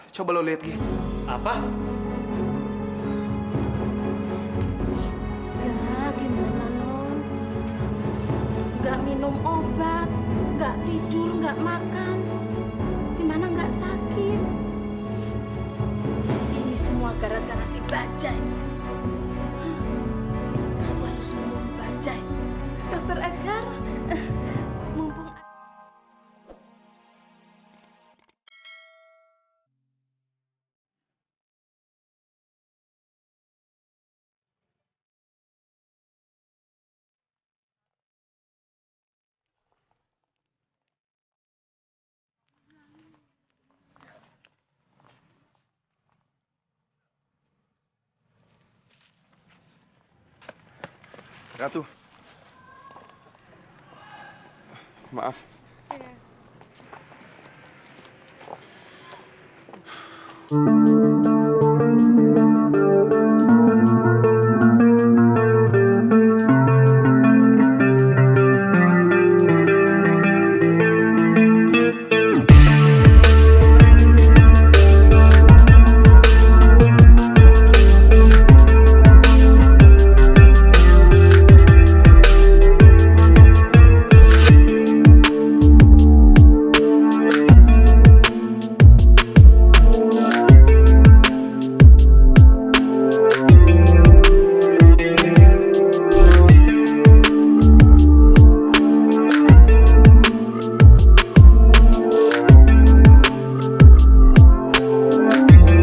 sampai jumpa di video selanjutnya